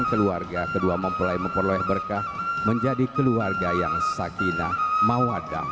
keluarga kedua mempelai memperoleh berkah menjadi keluarga yang sakinah mawadah